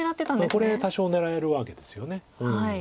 これ多少狙えるわけですよね。